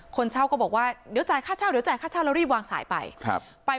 คนเช่าก็บอกว่าเดี๋ยวจ่ายค่าเช่าเดี๋ยวจ่ายค่าเช่าแล้วรีบวางสายไปครับไป